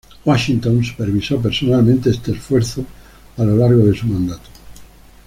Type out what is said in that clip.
Washington supervisó personalmente este esfuerzo a lo largo de su mandato.